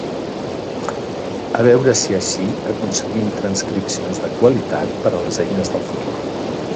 A veure si així aconseguim transcripcions de qualitat per a les eines del futur